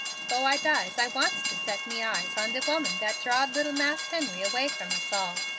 'Fore I dies I wants to set my eyes on de woman dat drawed little Mas' Henry away from us all.